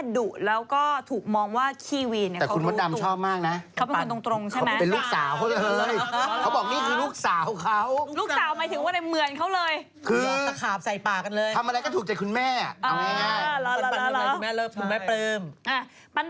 โดนมองเป็นคนแรงไม่ได้เกี่ยวกับเรื่องนั้น